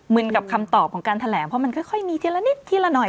ึนกับคำตอบของการแถลงเพราะมันค่อยมีทีละนิดทีละหน่อย